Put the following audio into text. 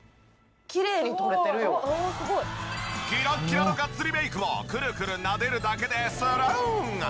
ギラッギラのガッツリメイクもくるくるなでるだけでするーん！